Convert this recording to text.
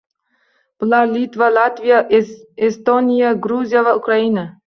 Bular: Litva, Latviya, Estoniya, Gruziya va Ukraina